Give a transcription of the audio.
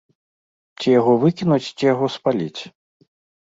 Ці яго выкінуць, ці яго спаліць?